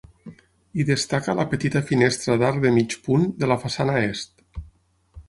Hi destaca la petita finestra d'arc de mig punt de la façana est.